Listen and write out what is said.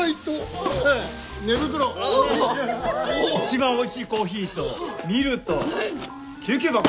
一番おいしいコーヒーとミルと救急箱！